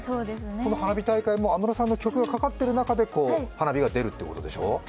この花火大会も安室さんの曲がかかっている中で花火が出るってことでしょう。